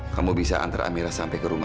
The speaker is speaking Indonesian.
kamu bisa antar amira sampai ke rumah